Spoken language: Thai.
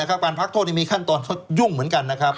การพักโทษนี่มีขั้นตอนยุ่งเหมือนกัน